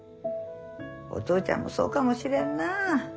お父ちゃんもそうかもしれんなあ。